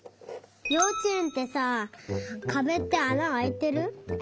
ようちえんってさかべってあなあいてる？